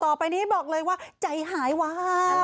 ต่อไปนี้บอกเลยว่าใจหายว้าว